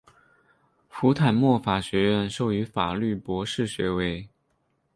福坦莫法学院授予法律博士学位。